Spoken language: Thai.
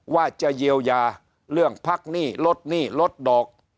ว่าจะเยียวยาเรื่องพักหนี้ลดหนี้ลดดอก